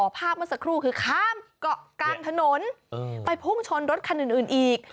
ภาพเมื่อสักครู่คือข้ามเกาะกลางถนนไปพุ่งชนรถคันอื่นอีก